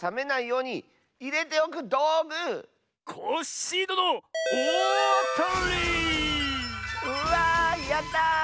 うわやった！